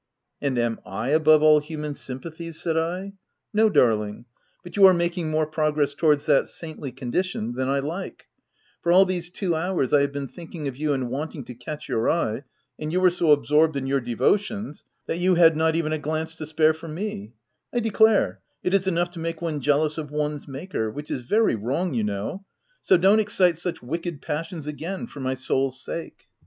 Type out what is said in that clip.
" And am I above all human sympathies ?" said I. " No, darling ; but you are making more progress towards that saintly condition than I like ; for, all these two hours, I have been thinking of you and wanting to catch your eye, and you were so absorbed in your devotions that you had not even a glance to spare for me — I declare, it is enough to make one jealous of one's Maker — which is very wrong, you know ; so don't excite such wicked passions again, for my souFs sake."